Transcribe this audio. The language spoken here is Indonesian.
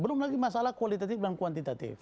belum lagi masalah kualitatif dan kuantitatif